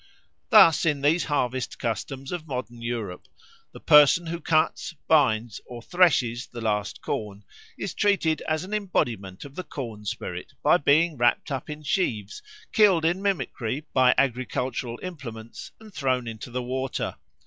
Thus in these harvest customs of modern Europe the person who cuts, binds, or threshes the last corn is treated as an embodiment of the corn spirit by being wrapt up in sheaves, killed in mimicry by agricultural implements, and thrown into the water.